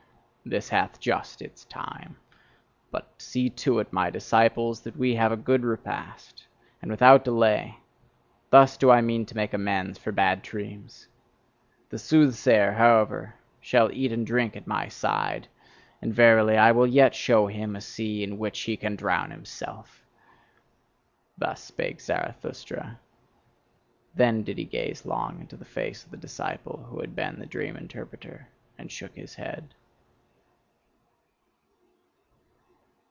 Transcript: this hath just its time; but see to it, my disciples, that we have a good repast; and without delay! Thus do I mean to make amends for bad dreams! The soothsayer, however, shall eat and drink at my side: and verily, I will yet show him a sea in which he can drown himself!" Thus spake Zarathustra. Then did he gaze long into the face of the disciple who had been the dream interpreter, and shook his head.